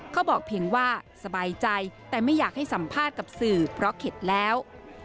เขาบอกเพียงว่าสบายใจแต่ไม่อยากให้สัมภาษณ์กับสื่อเพราะเข็ดแล้ว